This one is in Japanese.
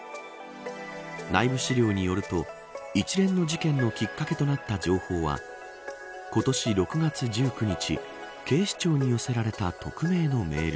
内部資料によると一連の事件のきっかけとなった情報は今年６月１９日警視庁に寄せられた匿名のメール。